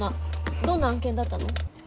どんな案件だったの？